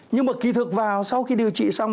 nhưng mà kỳ thực vào sau khi điều trị xong